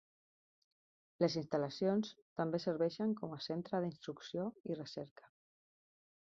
Les instal·lacions també serveixen com a centre d'instrucció i recerca.